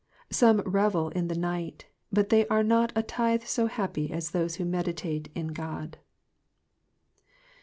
Some revel in the night, but they are not a tithe so happy as those who meditate in God.